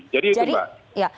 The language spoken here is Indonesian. jadi itu mbak